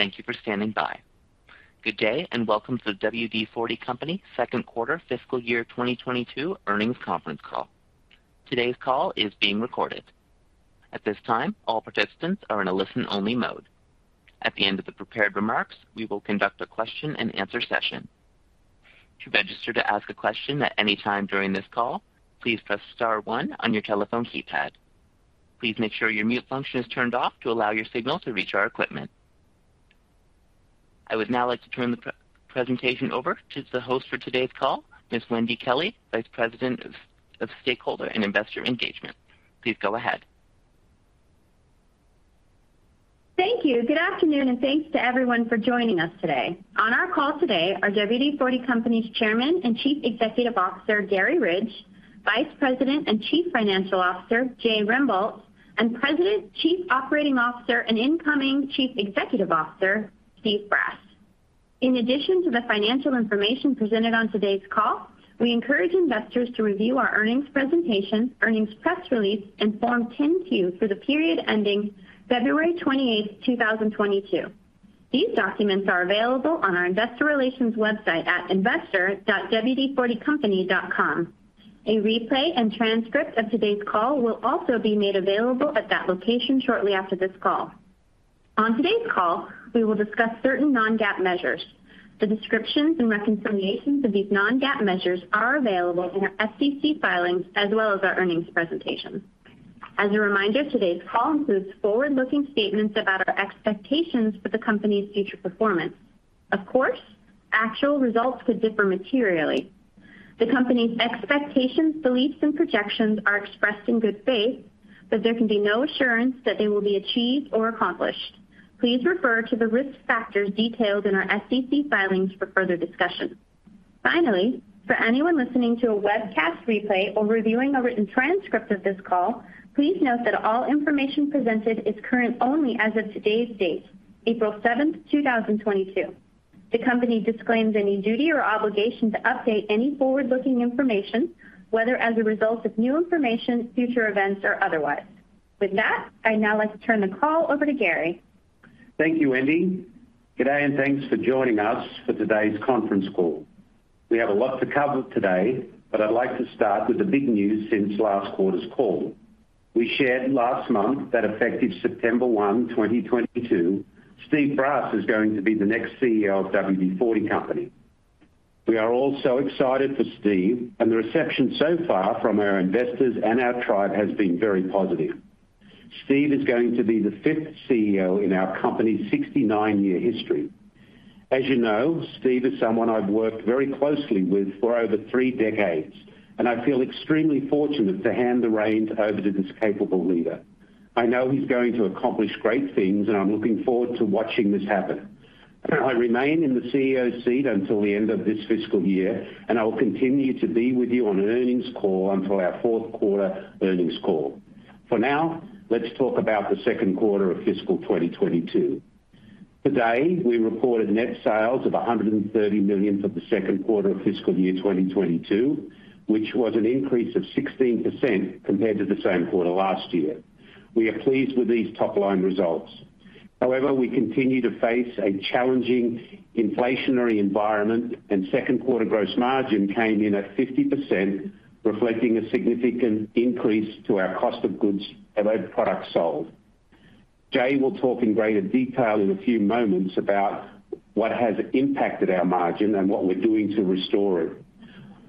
Thank you for standing by. Good day and welcome to WD-40 Company Second Quarter Fiscal Year 2022 Earnings Conference Call. Today's call is being recorded. At this time, all participants are in a listen-only mode. At the end of the prepared remarks, we will conduct a question-and-answer session. To register to ask a question at any time during this call, please press star one on your telephone keypad. Please make sure your mute function is turned off to allow your signal to reach our equipment. I would now like to turn the pre-presentation over to the host for today's call, Ms. Wendy Kelley, Vice President of Stakeholder and Investor Engagement. Please go ahead. Thank you. Good afternoon, and thanks to everyone for joining us today. On our call today are WD-40 Company's Chairman and Chief Executive Officer, Garry Ridge, Vice President and Chief Financial Officer, Jay Rembolt, and President, Chief Operating Officer and incoming Chief Executive Officer, Steve Brass. In addition to the financial information presented on today's call, we encourage investors to review our earnings presentation, earnings press release, and Form 10-Q for the period ending February 28th, 2022. These documents are available on our investor relations website at investor.wd40company.com. A replay and transcript of today's call will also be made available at that location shortly after this call. On today's call, we will discuss certain non-GAAP measures. The descriptions and reconciliations of these non-GAAP measures are available in our SEC filings as well as our earnings presentation. As a reminder, today's call includes forward-looking statements about our expectations for the company's future performance. Of course, actual results could differ materially. The company's expectations, beliefs and projections are expressed in good faith, but there can be no assurance that they will be achieved or accomplished. Please refer to the risk factors detailed in our SEC filings for further discussion. Finally, for anyone listening to a webcast replay or reviewing a written transcript of this call, please note that all information presented is current only as of today's date, April 7, 2022. The company disclaims any duty or obligation to update any forward-looking information, whether as a result of new information, future events, or otherwise. With that, I'd now like to turn the call over to Garry. Thank you, Wendy. Good day and thanks for joining us for today's conference call. We have a lot to cover today, but I'd like to start with the big news since last quarter's call. We shared last month that effective September 1, 2022, Steve Brass is going to be the next CEO of WD-40 Company. We are all so excited for Steve and the reception so far from our investors and our tribe has been very positive. Steve is going to be the fifth CEO in our company's 69-year history. As you know, Steve is someone I've worked very closely with for over three decades, and I feel extremely fortunate to hand the reins over to this capable leader. I know he's going to accomplish great things, and I'm looking forward to watching this happen. I remain in the CEO seat until the end of this fiscal year, and I will continue to be with you on earnings call until our fourth quarter earnings call. For now, let's talk about the second quarter of fiscal 2022. Today, we reported net sales of $130 million for the second quarter of fiscal year 2022, which was an increase of 16% compared to the same quarter last year. We are pleased with these top-line results. However, we continue to face a challenging inflationary environment, and second quarter gross margin came in at 50%, reflecting a significant increase to our cost of goods and our products sold. Jay will talk in greater detail in a few moments about what has impacted our margin and what we're doing to restore it.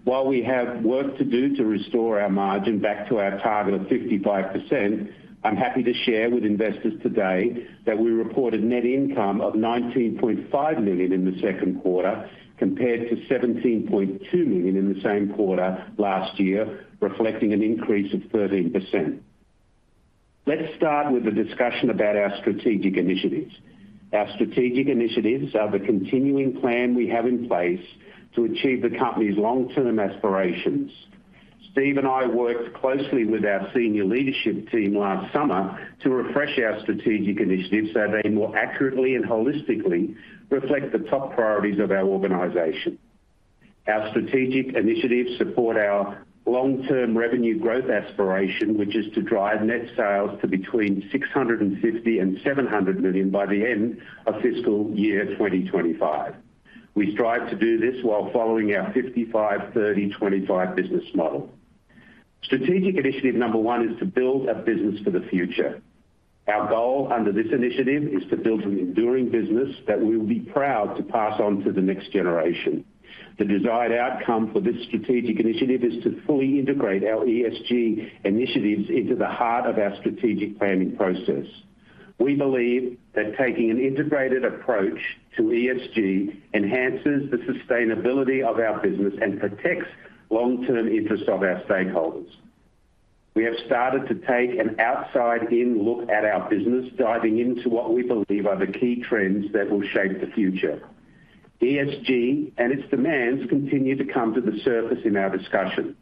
While we have work to do to restore our margin back to our target of 55%, I'm happy to share with investors today that we reported net income of $19.5 million in the second quarter compared to $17.2 million in the same quarter last year, reflecting an increase of 13%. Let's start with a discussion about our Strategic Initiatives. Our Strategic Initiatives are the continuing plan we have in place to achieve the company's long-term aspirations. Steve and I worked closely with our senior leadership team last summer to refresh our Strategic Initiatives so they more accurately and holistically reflect the top priorities of our organization. Our Strategic Initiatives support our long-term revenue growth aspiration, which is to drive net sales to between $650 million and $700 million by the end of fiscal year 2025. We strive to do this while following our 55/30/25 business model. Strategic Initiative number 1 is to build a business for the future. Our goal under this initiative is to build an enduring business that we will be proud to pass on to the next generation. The desired outcome for this Strategic Initiative is to fully integrate our ESG initiatives into the heart of our strategic planning process. We believe that taking an integrated approach to ESG enhances the sustainability of our business and protects long-term interests of our stakeholders. We have started to take an outside-in look at our business, diving into what we believe are the key trends that will shape the future. ESG and its demands continue to come to the surface in our discussion.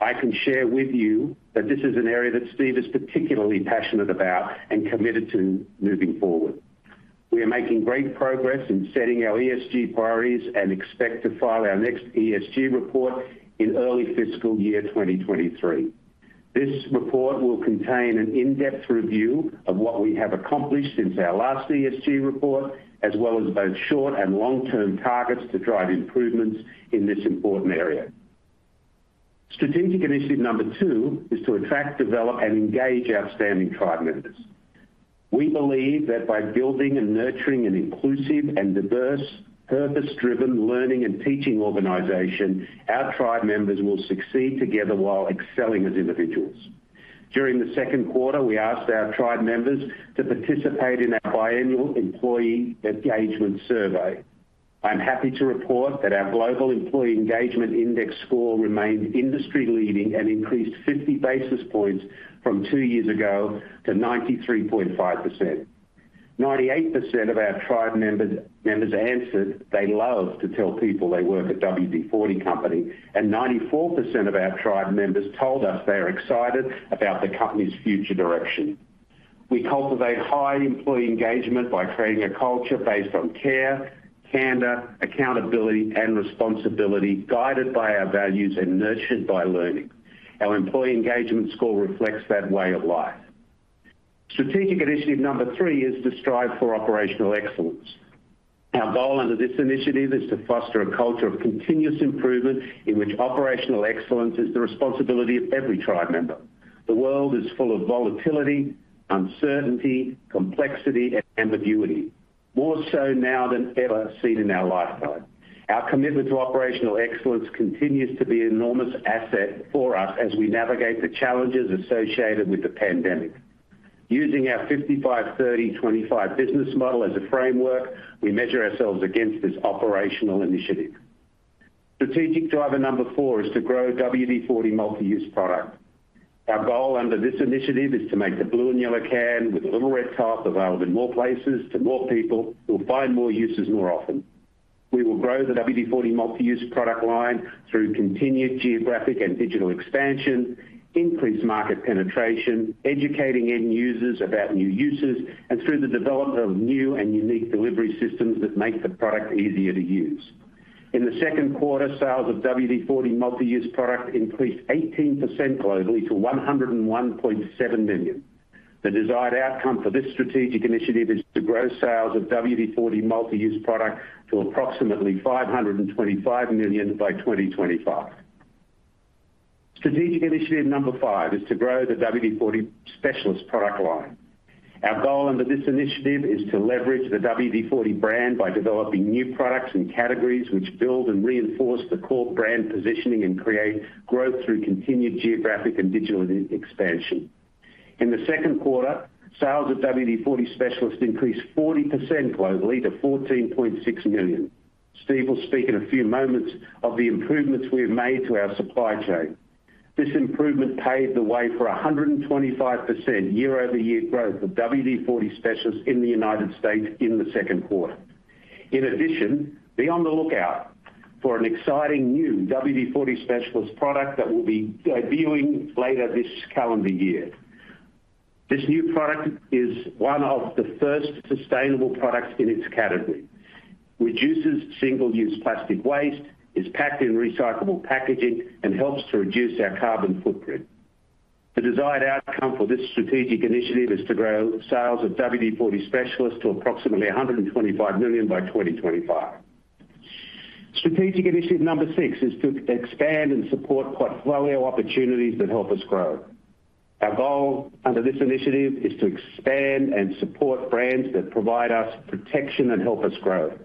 I can share with you that this is an area that Steve is particularly passionate about and committed to moving forward. We are making great progress in setting our ESG priorities and expect to file our next ESG report in early fiscal year 2023. This report will contain an in-depth review of what we have accomplished since our last ESG report, as well as both short and long-term targets to drive improvements in this important area. Strategic Initiative number 2 is to attract, develop, and engage outstanding tribe members. We believe that by building and nurturing an inclusive and diverse, purpose-driven learning and teaching organization, our tribe members will succeed together while excelling as individuals. During the second quarter, we asked our tribe members to participate in our biannual employee engagement survey. I'm happy to report that our global employee engagement index score remained industry-leading and increased 50 basis points from two years ago to 93.5%. 98% of our tribe members answered they love to tell people they work at WD-40 Company, and 94% of our tribe members told us they are excited about the company's future direction. We cultivate high employee engagement by creating a culture based on care, candor, accountability, and responsibility, guided by our values and nurtured by learning. Our employee engagement score reflects that way of life. Strategic Initiative 3 is to strive for operational excellence. Our goal under this initiative is to foster a culture of continuous improvement in which operational excellence is the responsibility of every tribe member. The world is full of volatility, uncertainty, complexity, and ambiguity, more so now than ever seen in our lifetime. Our commitment to operational excellence continues to be an enormous asset for us as we navigate the challenges associated with the pandemic. Using our 55/30/25 business model as a framework, we measure ourselves against this operational initiative. Strategic driver number 4 is to grow WD-40 Multi-Use Product. Our goal under this initiative is to make the blue and yellow can with a little red top available in more places to more people who will find more uses more often. We will grow the WD-40 Multi-Use Product line through continued geographic and digital expansion, increase market penetration, educating end users about new uses, and through the development of new and unique delivery systems that make the product easier to use. In the second quarter, sales of WD-40 Multi-Use Product increased 18% globally to $101.7 million. The desired outcome for this Strategic Initiative is to grow sales of WD-40 Multi-Use Product to approximately $525 million by 2025. Strategic Initiative number 5 is to grow the WD-40 Specialist product line. Our goal under this initiative is to leverage the WD-40 brand by developing new products and categories which build and reinforce the core brand positioning and create growth through continued geographic and digital expansion. In the second quarter, sales of WD-40 Specialist increased 40% globally to $14.6 million. Steve will speak in a few moments of the improvements we have made to our supply chain. This improvement paved the way for a 125% year-over-year growth of WD-40 Specialist in the United States in the second quarter. In addition, be on the lookout for an exciting new WD-40 Specialist product that we'll be debuting later this calendar year. This new product is one of the first sustainable products in its category. Reduces single-use plastic waste, is packed in recyclable packaging, and helps to reduce our carbon footprint. The desired outcome for this Strategic Initiative is to grow sales of WD-40 Specialist to approximately $125 million by 2025. Strategic Initiative number 6 is to expand and support portfolio opportunities that help us grow. Our goal under this initiative is to expand and support brands that provide us protection and help us grow.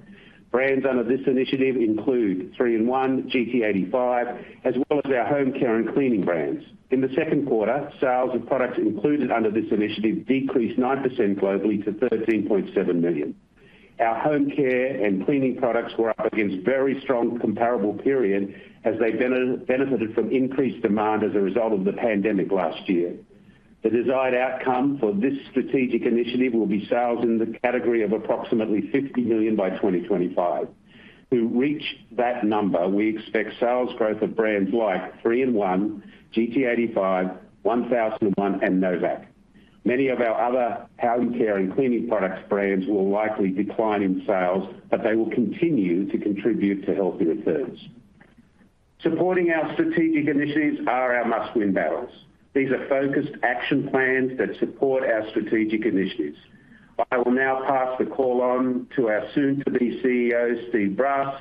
Brands under this initiative include 3-IN-ONE, GT85, as well as our home care and cleaning brands. In the second quarter, sales of products included under this initiative decreased 9% globally to $13.7 million. Our home care and cleaning products were up against very strong comparable period as they benefited from increased demand as a result of the pandemic last year. The desired outcome for this Strategic Initiative will be sales in the category of approximately $50 million by 2025. To reach that number, we expect sales growth of brands like 3-IN-ONE, GT85, 1001, and NO VAC. Many of our other home care and cleaning products brands will likely decline in sales, but they will continue to contribute to healthy returns. Supporting our Strategic Initiatives are our Must-Win Battles. These are focused action plans that support our Strategic Initiatives. I will now pass the call on to our soon-to-be CEO, Steve Brass,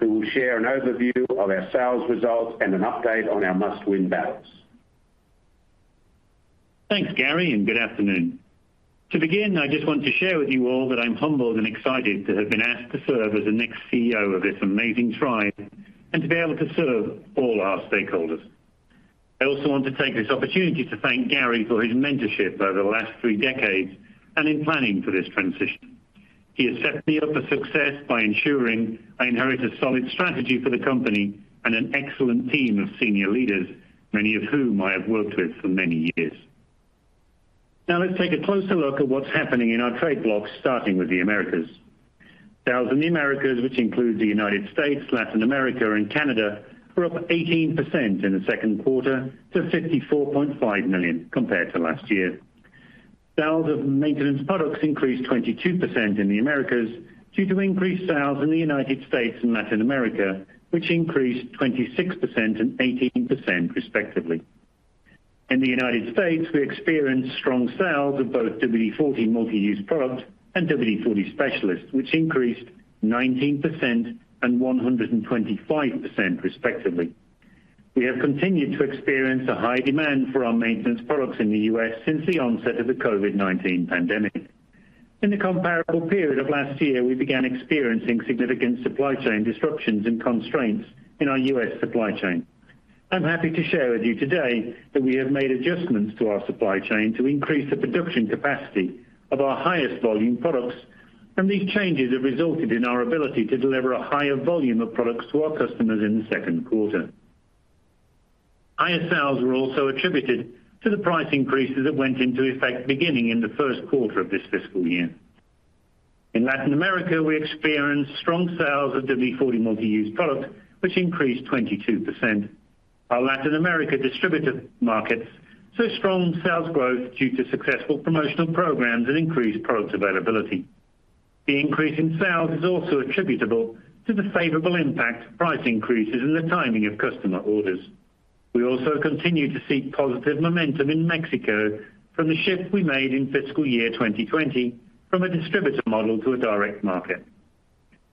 who will share an overview of our sales results and an update on our Must-Win Battles. Thanks, Garry, and good afternoon. To begin, I just want to share with you all that I'm humbled and excited to have been asked to serve as the next CEO of this amazing tribe and to be able to serve all our stakeholders. I also want to take this opportunity to thank Garry for his mentorship over the last three decades and in planning for this transition. He has set me up for success by ensuring I inherit a solid strategy for the company and an excellent team of senior leaders, many of whom I have worked with for many years. Now let's take a closer look at what's happening in our trade blocks, starting with the Americas. Sales in the Americas, which includes the United States, Latin America, and Canada, were up 18% in the second quarter to $54.5 million compared to last year. Sales of maintenance products increased 22% in the Americas due to increased sales in the United States and Latin America, which increased 26% and 18% respectively. In the United States, we experienced strong sales of both WD-40 Multi-Use Products and WD-40 Specialist, which increased 19% and 125% respectively. We have continued to experience a high demand for our maintenance products in the U.S. since the onset of the COVID-19 pandemic. In the comparable period of last year, we began experiencing significant supply chain disruptions and constraints in our U.S. supply chain. I'm happy to share with you today that we have made adjustments to our supply chain to increase the production capacity of our highest volume products, and these changes have resulted in our ability to deliver a higher volume of products to our customers in the second quarter. Higher sales were also attributed to the price increases that went into effect beginning in the first quarter of this fiscal year. In Latin America, we experienced strong sales of WD-40 Multi-Use Products, which increased 22%. Our Latin America distributor markets saw strong sales growth due to successful promotional programs and increased product availability. The increase in sales is also attributable to the favorable impact of price increases and the timing of customer orders. We also continue to see positive momentum in Mexico from the shift we made in fiscal year 2020 from a distributor model to a direct market.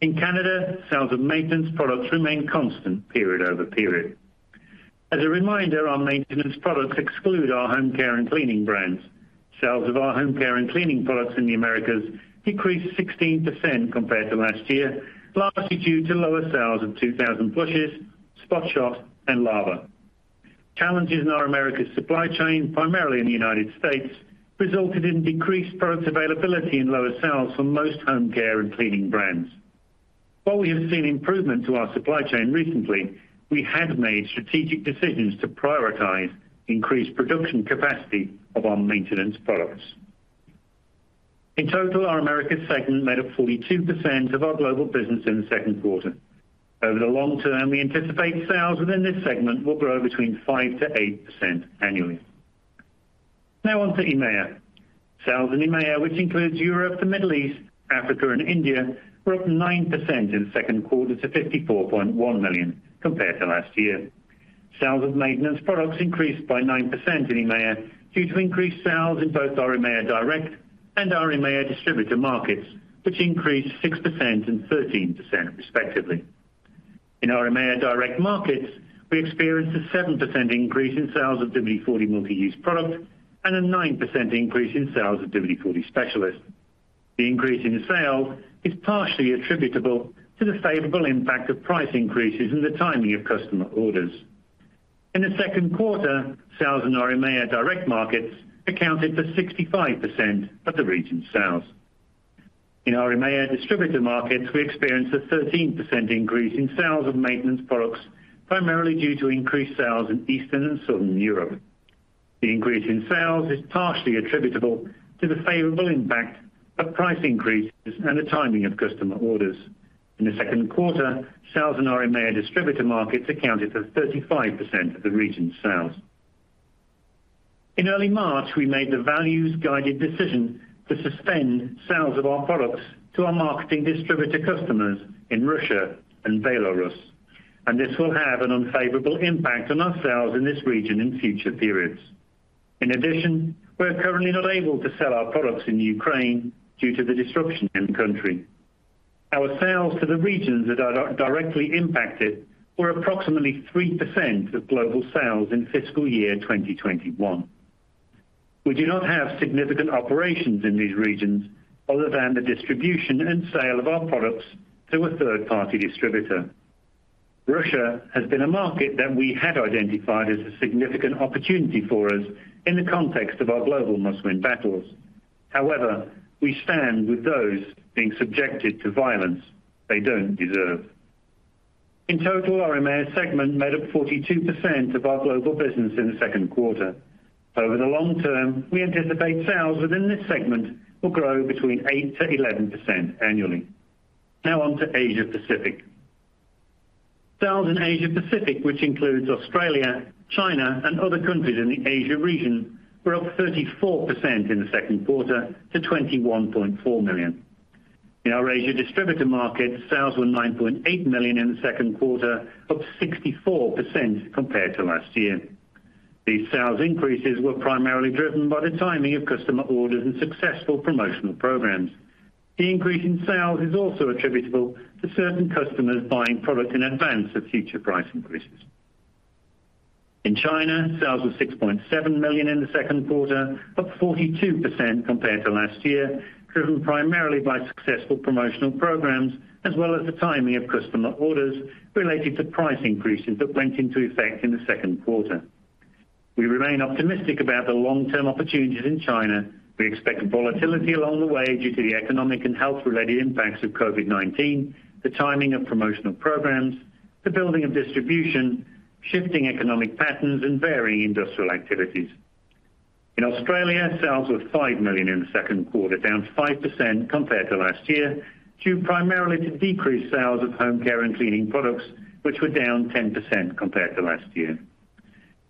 In Canada, sales of maintenance products remained constant period-over-period. As a reminder, our maintenance products exclude our home care and cleaning brands. Sales of our home care and cleaning products in the Americas decreased 16% compared to last year, largely due to lower sales of 2000 Flushes, Spot Shot, and Lava. Challenges in our Americas supply chain, primarily in the United States, resulted in decreased product availability and lower sales for most home care and cleaning brands. While we have seen improvement to our supply chain recently, we have made strategic decisions to prioritize increased production capacity of our maintenance products. In total, our Americas segment made up 42% of our global business in the second quarter. Over the long term, we anticipate sales within this segment will grow between 5%-8% annually. Now on to EMEA. Sales in EMEA, which includes Europe, the Middle East, Africa, and India, were up 9% in the second quarter to $54.1 million compared to last year. Sales of maintenance products increased by 9% in EMEA due to increased sales in both our EMEA direct and our EMEA distributor markets, which increased 6% and 13% respectively. In our EMEA direct markets, we experienced a 7% increase in sales of WD-40 Multi-Use Product and a 9% increase in sales of WD-40 Specialist. The increase in sales is partially attributable to the favorable impact of price increases and the timing of customer orders. In the second quarter, sales in our EMEA direct markets accounted for 65% of the region's sales. In our EMEA distributor markets, we experienced a 13% increase in sales of maintenance products, primarily due to increased sales in Eastern and Southern Europe. The increase in sales is partially attributable to the favorable impact of price increases and the timing of customer orders. In the second quarter, sales in our EMEA distributor markets accounted for 35% of the region's sales. In early March, we made the values-guided decision to suspend sales of our products to our marketing distributor customers in Russia and Belarus, and this will have an unfavorable impact on our sales in this region in future periods. In addition, we are currently not able to sell our products in Ukraine due to the disruption in the country. Our sales to the regions that are directly impacted were approximately 3% of global sales in fiscal year 2021. We do not have significant operations in these regions other than the distribution and sale of our products to a third-party distributor. Russia has been a market that we had identified as a significant opportunity for us in the context of our global Must-Win Battles. However, we stand with those being subjected to violence they don't deserve. In total, our EMEA segment made up 42% of our global business in the second quarter. Over the long term, we anticipate sales within this segment will grow between 8%-11% annually. Now on to Asia-Pacific. Sales in Asia-Pacific, which includes Australia, China, and other countries in the Asia region, were up 34% in the second quarter to $21.4 million. In our Asia distributor markets, sales were $9.8 million in the second quarter, up 64% compared to last year. These sales increases were primarily driven by the timing of customer orders and successful promotional programs. The increase in sales is also attributable to certain customers buying products in advance of future price increases. In China, sales were $6.7 million in the second quarter, up 42% compared to last year, driven primarily by successful promotional programs as well as the timing of customer orders related to price increases that went into effect in the second quarter. We remain optimistic about the long-term opportunities in China. We expect volatility along the way due to the economic and health-related impacts of COVID-19, the timing of promotional programs, the building of distribution, shifting economic patterns, and varying industrial activities. In Australia, sales were $5 million in the second quarter, down 5% compared to last year, due primarily to decreased sales of home care and cleaning products, which were down 10% compared to last year.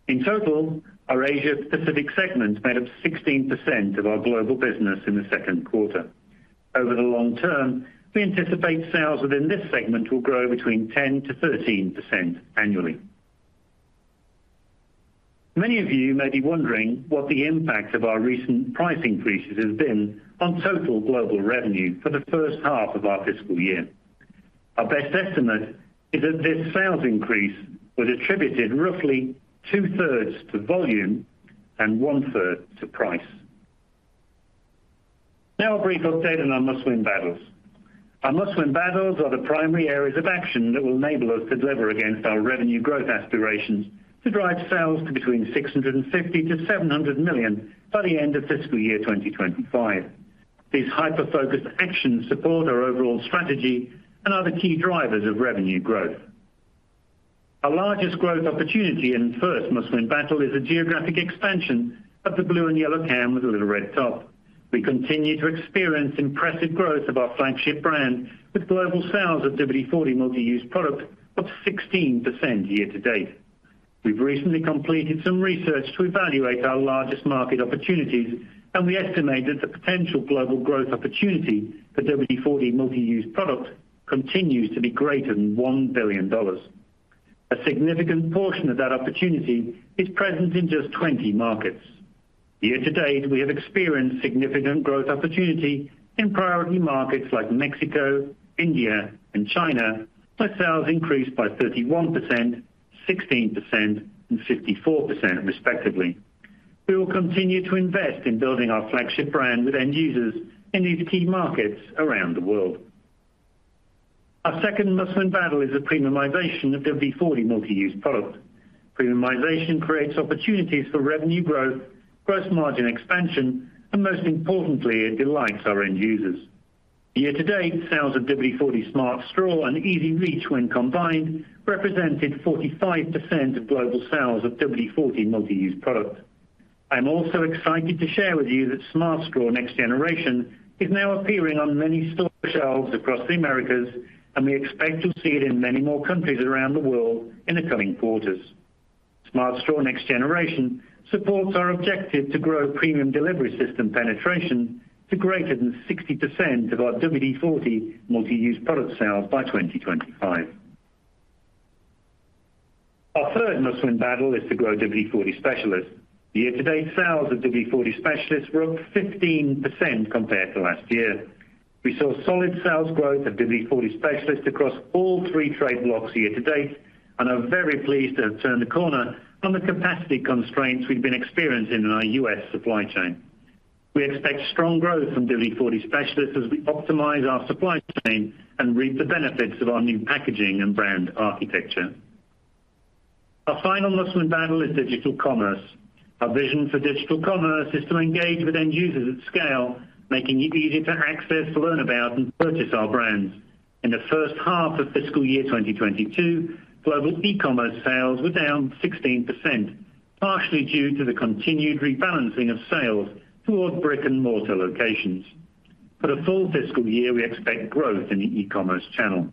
In total, our Asia Pacific segment made up 16% of our global business in the second quarter. Over the long term, we anticipate sales within this segment will grow between 10%-13% annually. Many of you may be wondering what the impact of our recent price increases has been on total global revenue for the first half of our fiscal year. Our best estimate is that this sales increase was attributed roughly two-thirds to volume and one-third to price. Now a brief update on our Must-Win Battles. Our Must-Win Battles are the primary areas of action that will enable us to deliver against our revenue growth aspirations to drive sales to between $650 million and $700 million by the end of fiscal year 2025. These hyper-focused actions support our overall strategy and are the key drivers of revenue growth. Our largest growth opportunity in the first Must Win Battle is the geographic expansion of the blue and yellow can with a little red top. We continue to experience impressive growth of our flagship brand, with global sales of WD-40 Multi-Use Product up 16% year to date. We've recently completed some research to evaluate our largest market opportunities, and we estimate that the potential global growth opportunity for WD-40 Multi-Use Product continues to be greater than $1 billion. A significant portion of that opportunity is present in just 20 markets. Year to date, we have experienced significant growth opportunity in priority markets like Mexico, India and China, where sales increased by 31%, 16%, and 54% respectively. We will continue to invest in building our flagship brand with end users in these key markets around the world. Our second Must Win Battle is the premiumization of WD-40 Multi-Use Product. Premiumization creates opportunities for revenue growth, gross margin expansion, and most importantly, it delights our end users. Year to date, sales of WD-40 Smart Straw and EZ-Reach, when combined, represented 45% of global sales of WD-40 Multi-Use Product. I'm also excited to share with you that Smart Straw Next Generation is now appearing on many store shelves across the Americas, and we expect you'll see it in many more countries around the world in the coming quarters. Smart Straw Next Generation supports our objective to grow premium delivery system penetration to greater than 60% of our WD-40 Multi-Use Product sales by 2025. Our third Must Win Battle is to grow WD-40 Specialist. Year to date, sales of WD-40 Specialist were up 15% compared to last year. We saw solid sales growth of WD-40 Specialist across all three trade blocks year to date and are very pleased to have turned the corner on the capacity constraints we've been experiencing in our U.S. supply chain. We expect strong growth from WD-40 Specialist as we optimize our supply chain and reap the benefits of our new packaging and brand architecture. Our final Must Win Battle is digital commerce. Our vision for digital commerce is to engage with end users at scale, making it easy to access, learn about, and purchase our brands. In the first half of fiscal year 2022, global e-commerce sales were down 16%, partially due to the continued rebalancing of sales toward brick-and-mortar locations. For the full fiscal year, we expect growth in the e-commerce channel.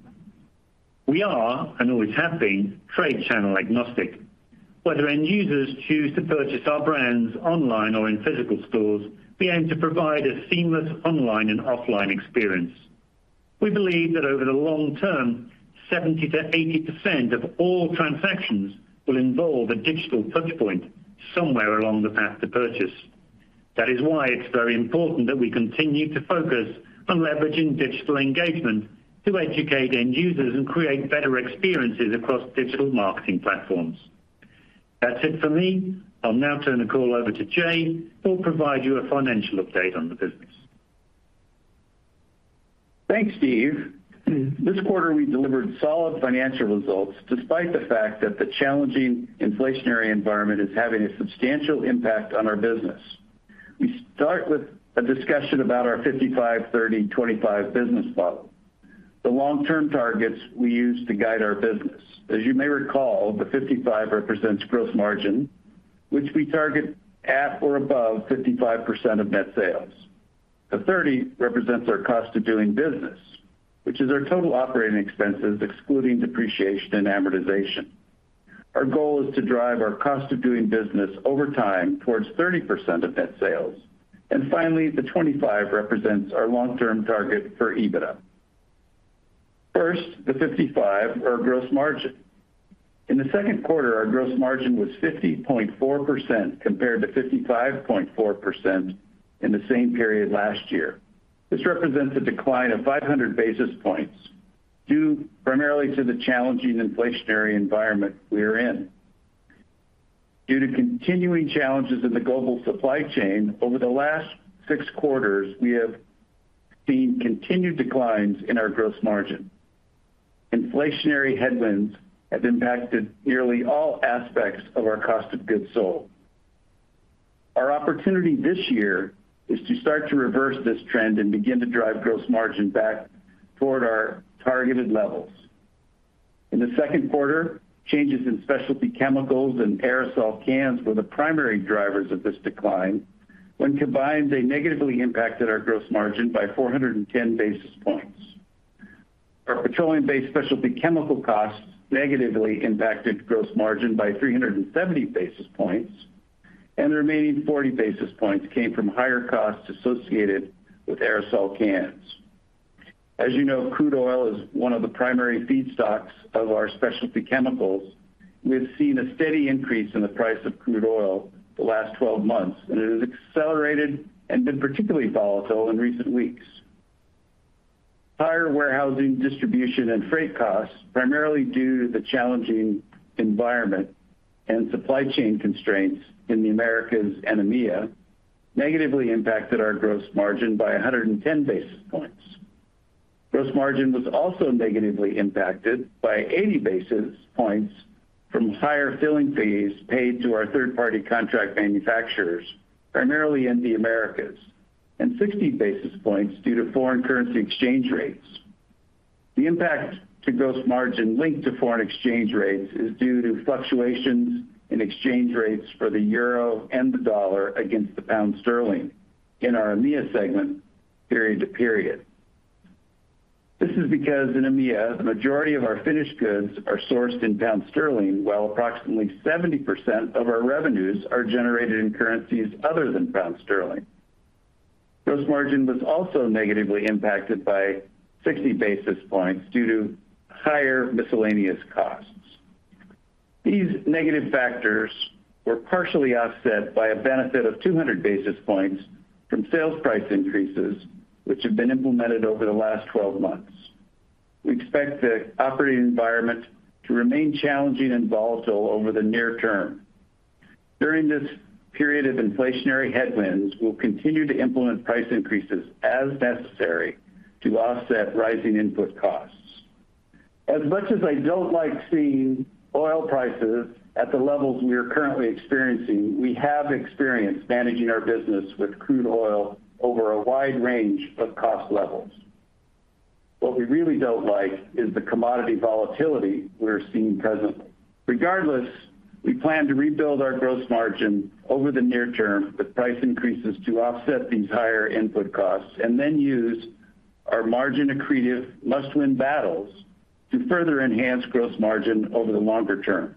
We are, and always have been, trade channel agnostic. Whether end users choose to purchase our brands online or in physical stores, we aim to provide a seamless online and offline experience. We believe that over the long term, 70%-80% of all transactions will involve a digital touchpoint somewhere along the path to purchase. That is why it's very important that we continue to focus on leveraging digital engagement to educate end users and create better experiences across digital marketing platforms. That's it for me. I'll now turn the call over to Jay, who'll provide you a financial update on the business. Thanks, Steve. This quarter we delivered solid financial results despite the fact that the challenging inflationary environment is having a substantial impact on our business. We start with a discussion about our 55/30/25 business model, the long-term targets we use to guide our business. As you may recall, the 55 represents gross margin, which we target at or above 55% of net sales. The 30 represents our cost of doing business, which is our total operating expenses excluding depreciation and amortization. Our goal is to drive our cost of doing business over time towards 30% of net sales. Finally, the 25 represents our long-term target for EBITDA. First, the 55, our gross margin. In the second quarter, our gross margin was 50.4% compared to 55.4% in the same period last year. This represents a decline of 500 basis points, due primarily to the challenging inflationary environment we are in. Due to continuing challenges in the global supply chain over the last 6 quarters, we have seen continued declines in our gross margin. Inflationary headwinds have impacted nearly all aspects of our cost of goods sold. Our opportunity this year is to start to reverse this trend and begin to drive gross margin back toward our targeted levels. In the second quarter, changes in specialty chemicals and aerosol cans were the primary drivers of this decline. When combined, they negatively impacted our gross margin by 410 basis points. Our petroleum-based specialty chemical costs negatively impacted gross margin by 370 basis points, and the remaining 40 basis points came from higher costs associated with aerosol cans. As you know, crude oil is one of the primary feedstocks of our specialty chemicals. We have seen a steady increase in the price of crude oil the last 12 months, and it has accelerated and been particularly volatile in recent weeks. Higher warehousing, distribution, and freight costs, primarily due to the challenging environment and supply chain constraints in the Americas and EMEA, negatively impacted our gross margin by 110 basis points. Gross margin was also negatively impacted by 80 basis points from higher filling fees paid to our third-party contract manufacturers, primarily in the Americas, and 60 basis points due to foreign currency exchange rates. The impact to gross margin linked to foreign exchange rates is due to fluctuations in exchange rates for the euro and the dollar against the pound sterling in our EMEA segment period to period. This is because in EMEA, the majority of our finished goods are sourced in pound sterling, while approximately 70% of our revenues are generated in currencies other than pound sterling. Gross margin was also negatively impacted by 60 basis points due to higher miscellaneous costs. These negative factors were partially offset by a benefit of 200 basis points from sales price increases, which have been implemented over the last 12 months. We expect the operating environment to remain challenging and volatile over the near term. During this period of inflationary headwinds, we'll continue to implement price increases as necessary to offset rising input costs. As much as I don't like seeing oil prices at the levels we are currently experiencing, we have experience managing our business with crude oil over a wide range of cost levels. What we really don't like is the commodity volatility we're seeing presently. Regardless, we plan to rebuild our gross margin over the near term with price increases to offset these higher input costs, and then use our margin-accretive Must-Win Battles to further enhance gross margin over the longer term.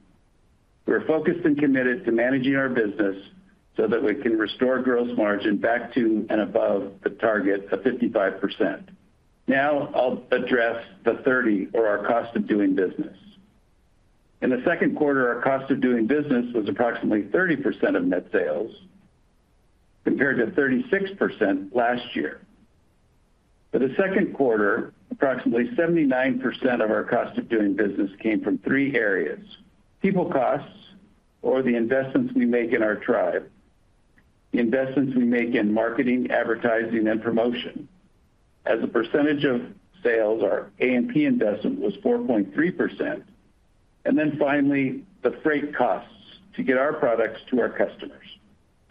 We are focused and committed to managing our business so that we can restore gross margin back to and above the target of 55%. Now I'll address the 30% of our cost of doing business. In the second quarter, our cost of doing business was approximately 30% of net sales, compared to 36% last year. For the second quarter, approximately 79% of our cost of doing business came from three areas: people costs or the investments we make in our tribe, the investments we make in marketing, advertising, and promotion. As a percentage of sales, our A&P investment was 4.3%. Finally, the freight costs to get our products to our customers.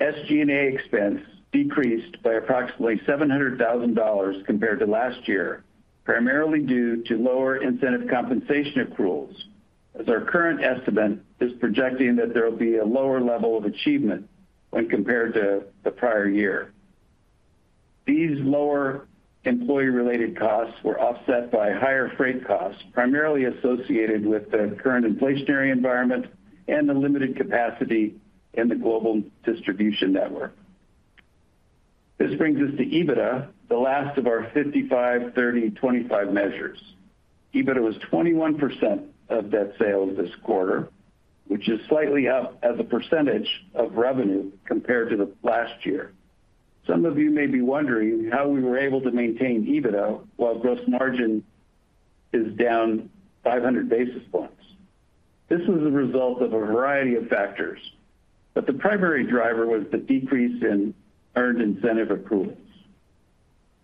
SG&A expense decreased by approximately $700,000 compared to last year, primarily due to lower incentive compensation accruals, as our current estimate is projecting that there will be a lower level of achievement when compared to the prior year. These lower employee-related costs were offset by higher freight costs, primarily associated with the current inflationary environment and the limited capacity in the global distribution network. This brings us to EBITDA, the last of our 55/30/25 measures. EBITDA was 21% of net sales this quarter, which is slightly up as a percentage of revenue compared to the last year. Some of you may be wondering how we were able to maintain EBITDA while gross margin is down 500 basis points. This was a result of a variety of factors, but the primary driver was the decrease in earned incentive accruals.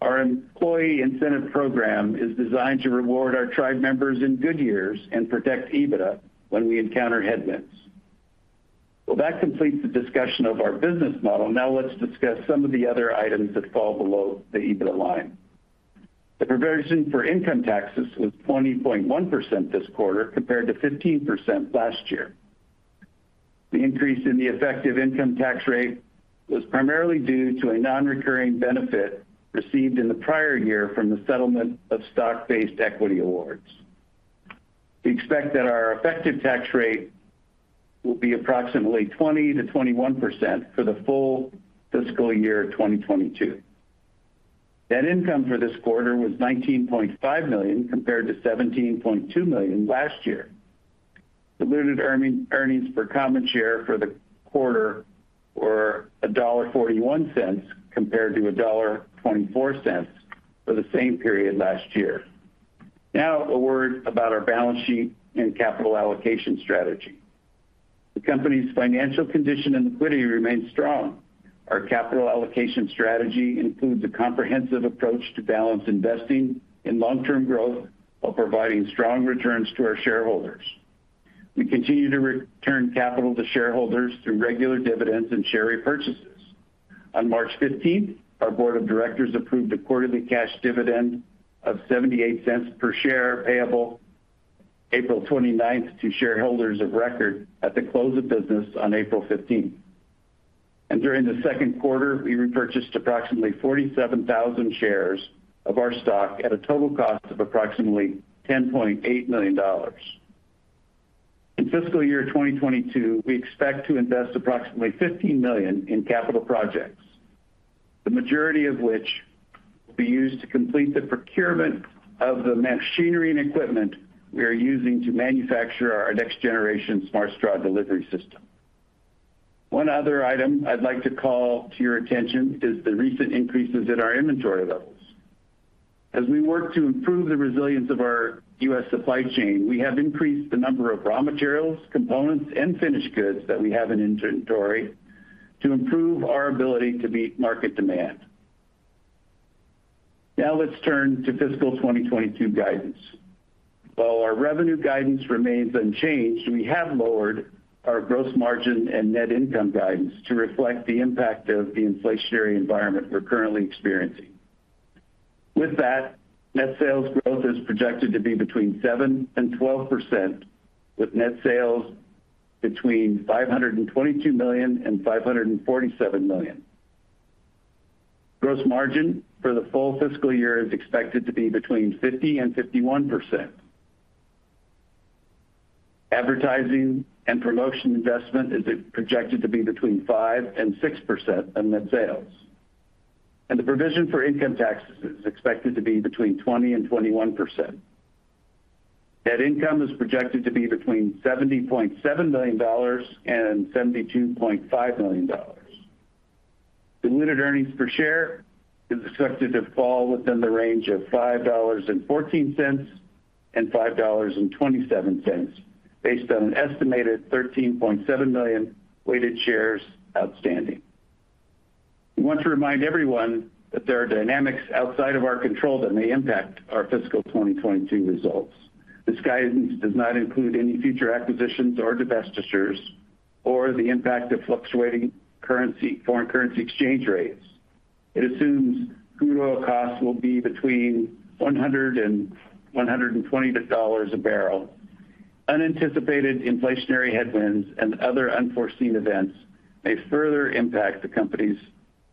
Our employee incentive program is designed to reward our tribe members in good years and protect EBITDA when we encounter headwinds. Well, that completes the discussion of our business model. Now let's discuss some of the other items that fall below the EBITDA line. The provision for income taxes was 20.1% this quarter, compared to 15% last year. The increase in the effective income tax rate was primarily due to a non-recurring benefit received in the prior year from the settlement of stock-based equity awards. We expect that our effective tax rate will be approximately 20%-21% for the full fiscal year 2022. Net income for this quarter was $19.5 million, compared to $17.2 million last year. Earnings per common share for the quarter were $1.41 compared to $1.24 for the same period last year. Now, a word about our balance sheet and capital allocation strategy. The company's financial condition and liquidity remain strong. Our capital allocation strategy includes a comprehensive approach to balance investing in long-term growth while providing strong returns to our shareholders. We continue to return capital to shareholders through regular dividends and share repurchases. On March fifteenth, our board of directors approved a quarterly cash dividend of $0.78 per share, payable April 29th to shareholders of record at the close of business on April 15th. During the second quarter, we repurchased approximately 47,000 shares of our stock at a total cost of approximately $10.8 million. In fiscal year 2022, we expect to invest approximately $15 million in capital projects, the majority of which will be used to complete the procurement of the machinery and equipment we are using to manufacture our next generation Smart Straw delivery system. One other item I'd like to call to your attention is the recent increases in our inventory levels. As we work to improve the resilience of our U.S. supply chain, we have increased the number of raw materials, components, and finished goods that we have in inventory to improve our ability to meet market demand. Now let's turn to fiscal 2022 guidance. While our revenue guidance remains unchanged, we have lowered our gross margin and net income guidance to reflect the impact of the inflationary environment we're currently experiencing. With that, net sales growth is projected to be between 7%-12%, with net sales between $522 million-$547 million. Gross margin for the full fiscal year is expected to be between 50%-51%. Advertising and promotion investment is projected to be between 5%-6% of net sales, and the provision for income taxes is expected to be between 20%-21%. Net income is projected to be between $70.7 million-$72.5 million. Diluted earnings per share is expected to fall within the range of $5.14-$5.27, based on an estimated 13.7 million weighted shares outstanding. We want to remind everyone that there are dynamics outside of our control that may impact our fiscal 2022 results. This guidance does not include any future acquisitions or divestitures or the impact of fluctuating currency, foreign currency exchange rates. It assumes crude oil costs will be between $100 and $120 a barrel. Unanticipated inflationary headwinds and other unforeseen events may further impact the company's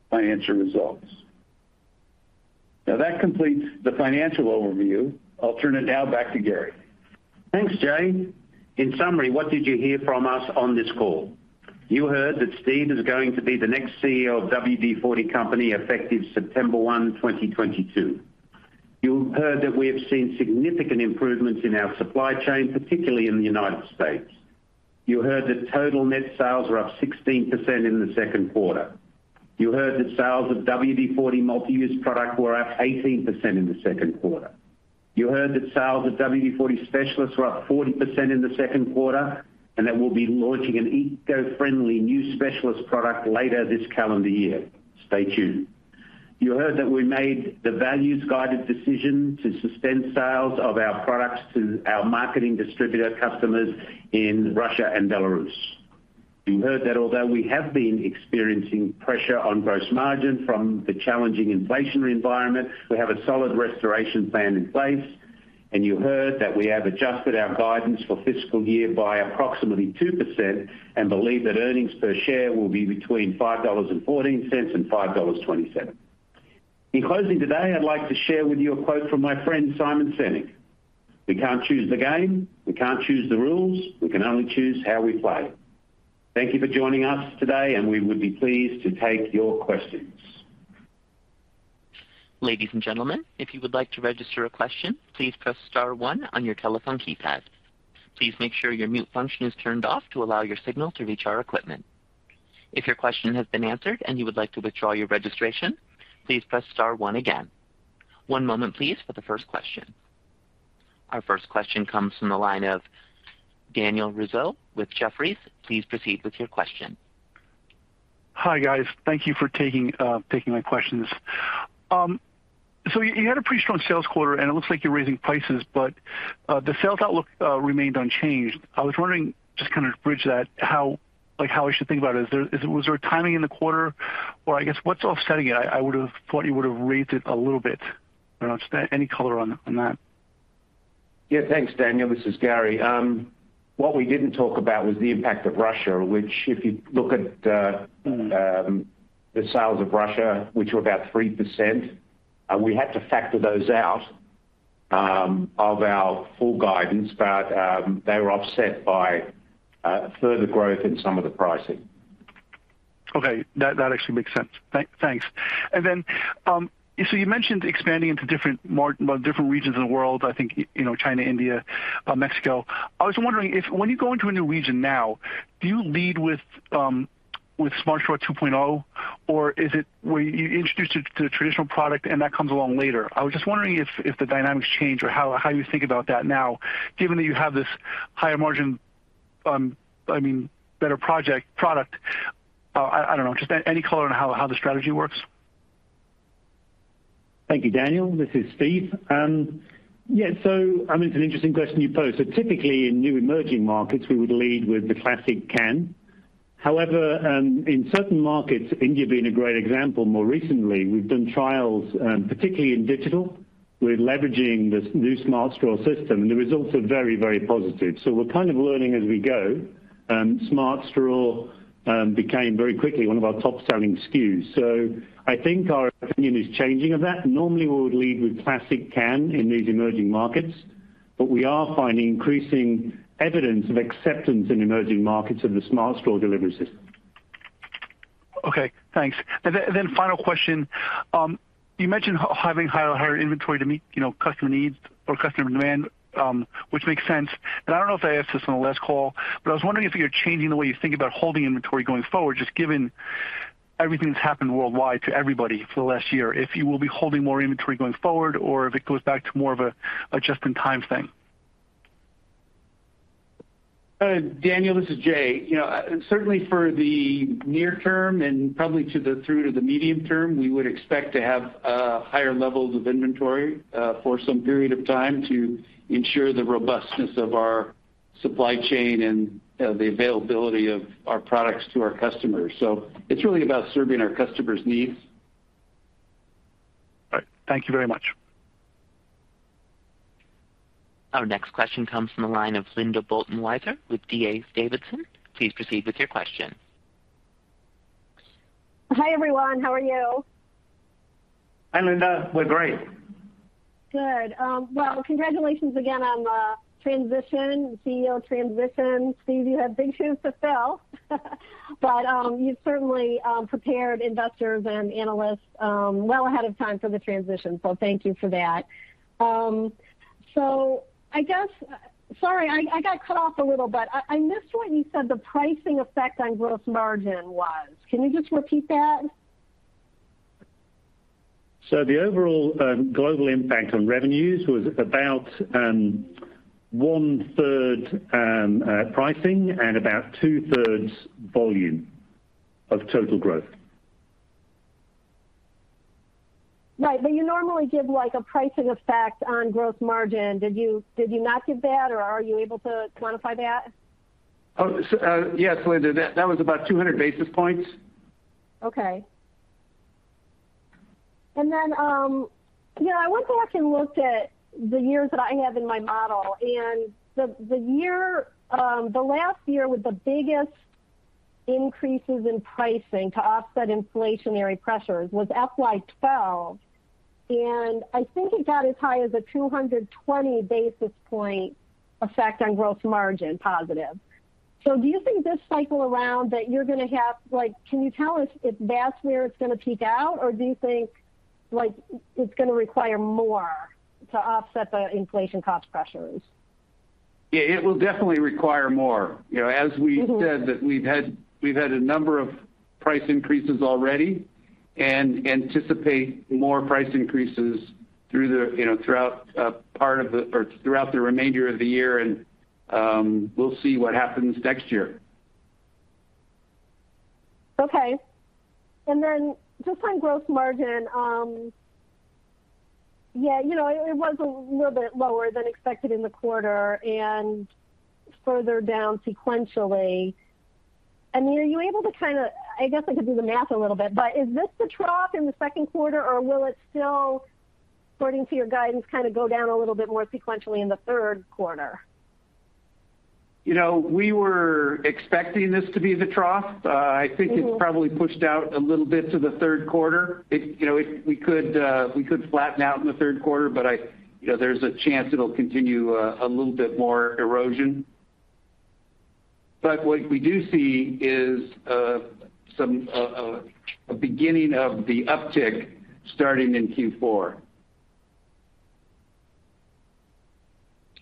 financial results. Now, that completes the financial overview. I'll turn it now back to Garry. Thanks, Jay. In summary, what did you hear from us on this call? You heard that Steve is going to be the next CEO of WD-40 Company effective September 1, 2022. You heard that we have seen significant improvements in our supply chain, particularly in the United States. You heard that total net sales were up 16% in the second quarter. You heard that sales of WD-40 Multi-Use Product were up 18% in the second quarter. You heard that sales of WD-40 Specialist were up 40% in the second quarter, and that we'll be launching an eco-friendly new Specialist product later this calendar year. Stay tuned. You heard that we made the values-guided decision to suspend sales of our products to our marketing distributor customers in Russia and Belarus. You heard that although we have been experiencing pressure on gross margin from the challenging inflationary environment, we have a solid restoration plan in place. You heard that we have adjusted our guidance for fiscal year by approximately 2% and believe that earnings per share will be between $5.14 and $5.27. In closing today, I'd like to share with you a quote from my friend Simon Sinek. "We can't choose the game. We can't choose the rules. We can only choose how we play." Thank you for joining us today, and we would be pleased to take your questions. Our first question comes from the line of Daniel Rizzo with Jefferies. Please proceed with your question. Hi, guys. Thank you for taking my questions. So you had a pretty strong sales quarter, and it looks like you're raising prices, but the sales outlook remained unchanged. I was wondering, just to kind of bridge that, like how I should think about it. Was there a timing in the quarter or I guess what's offsetting it? I would have thought you would have raised it a little bit. I don't know, just any color on that. Yeah. Thanks, Daniel. This is Garry. What we didn't talk about was the impact of Russia. Which if you look at, the sales of Russia, which were about 3%, we had to factor those out of our full guidance. They were offset by further growth in some of the pricing. Okay. That actually makes sense. Thanks. You mentioned expanding into different regions of the world, I think, you know, China, India, Mexico. I was wondering if, when you go into a new region now, do you lead with Smart Straw 2.0, or is it where you introduce it to the traditional product and that comes along later? I was just wondering if the dynamics change or how you think about that now, given that you have this higher margin, I mean, better product. I don't know. Just any color on how the strategy works. Thank you, Daniel. This is Steve. I mean, it's an interesting question you pose. Typically in new emerging markets we would lead with the classic can. However, in certain markets, India being a great example, more recently, we've done trials, particularly in digital We're leveraging this new Smart Straw system, and the results are very, very positive. We're kind of learning as we go. Smart Straw became very quickly one of our top-selling SKUs. I think our opinion is changing of that. Normally, we would lead with classic can in these emerging markets, but we are finding increasing evidence of acceptance in emerging markets of the Smart Straw delivery system. Okay, thanks. Final question. You mentioned having higher inventory to meet, you know, customer needs or customer demand, which makes sense. I don't know if I asked this on the last call, but I was wondering if you're changing the way you think about holding inventory going forward, just given everything that's happened worldwide to everybody for the last year, if you will be holding more inventory going forward or if it goes back to more of a just-in-time thing. Daniel, this is Jay. You know, certainly for the near term and probably through to the medium term, we would expect to have higher levels of inventory for some period of time to ensure the robustness of our supply chain and the availability of our products to our customers. It's really about serving our customers' needs. All right. Thank you very much. Our next question comes from the line of Linda Bolton Weiser with D.A. Davidson. Please proceed with your question. Hi, everyone. How are you? Hi, Linda. We're great. Good. Well, congratulations again on transition, CEO transition. Steve, you have big shoes to fill. You've certainly prepared investors and analysts well ahead of time for the transition. Thank you for that. Sorry, I got cut off a little bit. I missed what you said the pricing effect on gross margin was. Can you just repeat that? The overall global impact on revenues was about 1/3 pricing and about 2/3 volume of total growth. Right. You normally give, like, a pricing effect on gross margin. Did you not give that, or are you able to quantify that? Yes, Linda, that was about 200 basis points. Okay. You know, I went back and looked at the years that I have in my model, and the last year with the biggest increases in pricing to offset inflationary pressures was FY 2012. I think it got as high as a 220 basis point effect on gross margin positive. Do you think this cycle around that you're gonna have, like, can you tell us if that's where it's gonna peak out, or do you think, like, it's gonna require more to offset the inflation cost pressures? Yeah, it will definitely require more. You know, as we said that we've had a number of price increases already and anticipate more price increases through the, you know, throughout or throughout the remainder of the year, and we'll see what happens next year. Okay. Then just on gross margin, yeah, you know, it was a little bit lower than expected in the quarter and further down sequentially. I guess I could do the math a little bit, but is this the trough in the second quarter, or will it still, according to your guidance, kinda go down a little bit more sequentially in the third quarter? You know, we were expecting this to be the trough. I think it's probably pushed out a little bit to the third quarter. We could flatten out in the third quarter, but you know, there's a chance it'll continue a little bit more erosion. What we do see is a beginning of the uptick starting in Q4.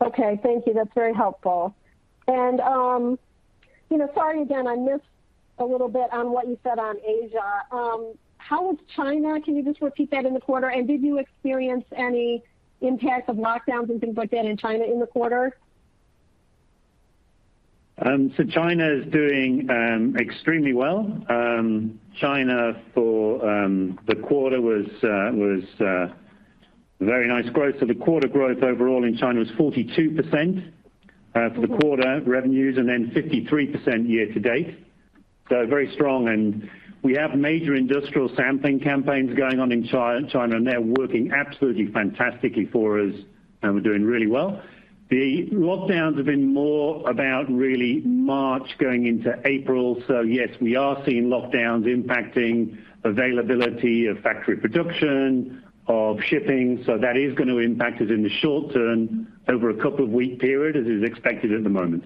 Okay. Thank you. That's very helpful. You know, sorry again, I missed a little bit on what you said on Asia. How is China? Can you just repeat that in the quarter? Did you experience any impacts of lockdowns and things like that in China in the quarter? China is doing extremely well. China for the quarter was very nice growth. The quarter growth overall in China was 42% for the quarter revenues and then 53% year to date, so very strong. We have major industrial sampling campaigns going on in China, and they're working absolutely fantastically for us, and we're doing really well. The lockdowns have been more about really March going into April. Yes, we are seeing lockdowns impacting availability of factory production, of shipping. That is gonna impact us in the short term over a couple of week period, as is expected at the moment.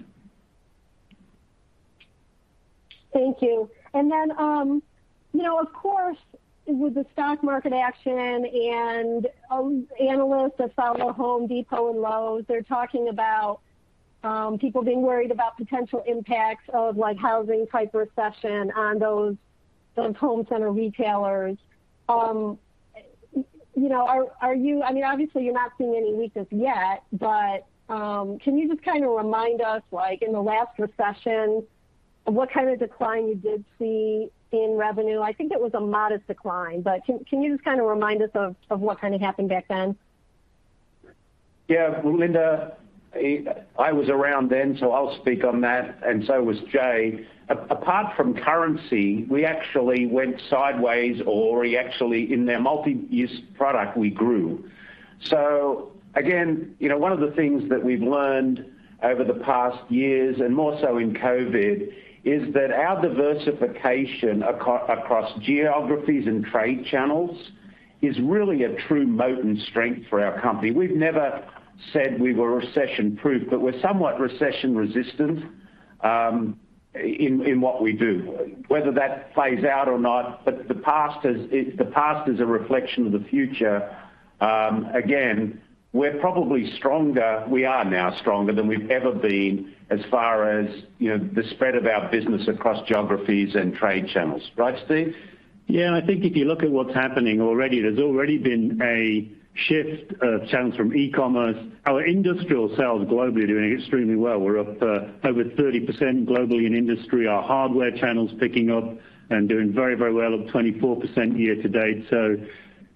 Thank you. You know, of course, with the stock market action and, analysts that follow Home Depot and Lowe's, they're talking about, people being worried about potential impacts of, like, housing type recession on those home center retailers. You know, are you—I mean, obviously, you're not seeing any weakness yet, but, can you just kinda remind us, like in the last recession, what kind of decline you did see in revenue? I think it was a modest decline, but can you just kinda remind us of what kinda happened back then? Yeah. Well, Linda, I was around then, so I'll speak on that, and so was Jay. Apart from currency, we actually went sideways or, in our Multi-Use Product, we grew. Again, you know, one of the things that we've learned over the past years, and more so in COVID, is that our diversification across geographies and trade channels is really a true moat and strength for our company. We've never said we were recession-proof, but we're somewhat recession-resistant in what we do. Whether that plays out or not, if the past is a reflection of the future, again, we are now stronger than we've ever been as far as, you know, the spread of our business across geographies and trade channels. Right, Steve? Yeah. I think if you look at what's happening already, there's already been a shift of channels from e-commerce. Our industrial sales globally are doing extremely well. We're up over 30% globally in industry. Our hardware channel's picking up and doing very, very well at 24% year to date.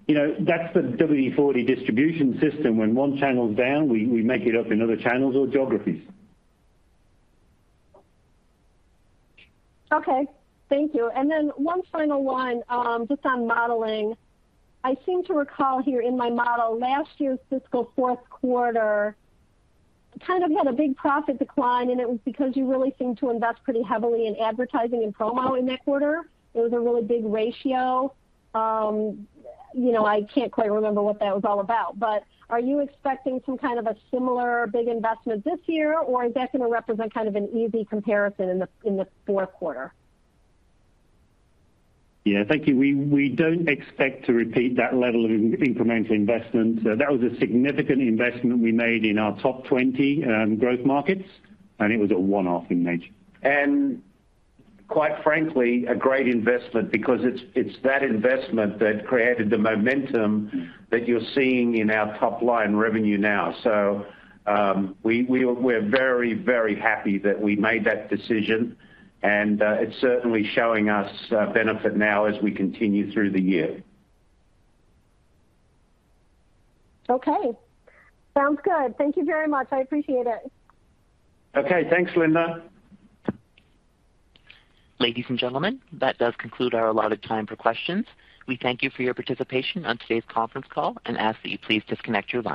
You know, that's the WD-40 distribution system. When one channel's down, we make it up in other channels or geographies. Okay. Thank you. One final one, just on modeling. I seem to recall here in my model, last year's fiscal fourth quarter kind of had a big profit decline, and it was because you really seemed to invest pretty heavily in advertising and promo in that quarter. It was a really big ratio. You know, I can't quite remember what that was all about. Are you expecting some kind of a similar big investment this year, or is that gonna represent kind of an easy comparison in the fourth quarter? Yeah. Thank you. We don't expect to repeat that level of incremental investment. That was a significant investment we made in our top 20 growth markets, and it was a one-off in nature. Quite frankly, a great investment because it's that investment that created the momentum that you're seeing in our top line revenue now. We're very, very happy that we made that decision and it's certainly showing us benefit now as we continue through the year. Okay. Sounds good. Thank you very much. I appreciate it. Okay. Thanks, Linda. Ladies and gentlemen, that does conclude our allotted time for questions. We thank you for your participation on today's conference call and ask that you please disconnect your lines.